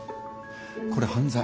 これ犯罪。